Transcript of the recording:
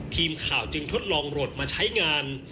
ทีมข่าวจึงทดลองหลดมาใช้งาน